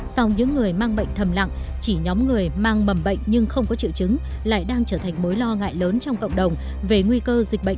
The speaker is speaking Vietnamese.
sau những người mang bệnh thầm lặng chỉ nhóm người mang mầm bệnh nhưng không có triệu chứng lại đang trở thành mối lo ngại lớn trong cộng đồng về nguy cơ dịch bệnh